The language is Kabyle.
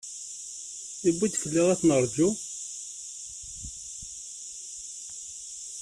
Iwwi-d fell-aɣ ad nerǧu?